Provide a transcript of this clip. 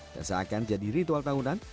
dan seakan jadi ritual tahunan